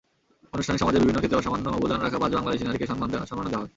অনুষ্ঠানে সমাজের বিভিন্ন ক্ষেত্রে অসামান্য অবদান রাখা পাঁচ বাংলাদেশি নারীকে সম্মাননা দেওয়া হয়।